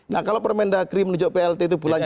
nah kalau permendagri menunjuk plt itu bulan juli